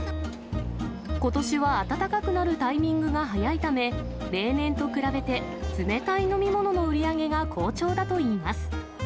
ことしは暖かくなるタイミングが早いため、例年と比べて冷たい飲み物の売り上げが好調だといいます。